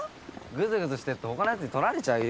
グズグズしてるとほかのヤツに取られちゃうよ。